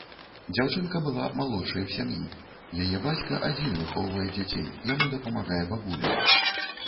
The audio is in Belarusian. Дзяўчынка была малодшай у сям'і, яе бацька адзін выхоўвае дзяцей, яму дапамагае бабуля.